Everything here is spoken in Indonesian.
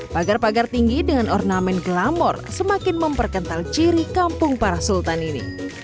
pagar pagar tinggi dengan ornamen glamor semakin memperkental ciri kampung para sultan ini